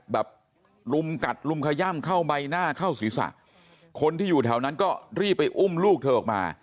ลุมกัดลุมขย่ำเข้าใบหน้าเข้าศีรษะคนที่อยู่แถวนั้นก็รีบไปอุ้มลูกเธอออกมา